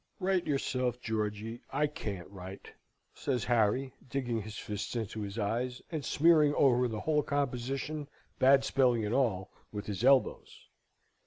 "Write yourself, Georgy, I can't write," says Harry, digging his fists into his eyes, and smearing over the whole composition, bad spelling and all, with his elbows.